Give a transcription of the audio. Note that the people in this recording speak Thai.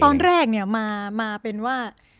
ตอนแรกเนี่ยมาเป็นว่า